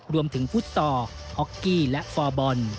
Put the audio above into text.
รวมถึงฟุตซอร์ออกกี้และฟอร์บอล